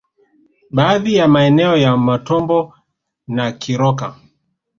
Baadhi ya maeneo ya Matombo na Kiroka